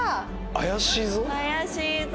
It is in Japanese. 怪しいぞ。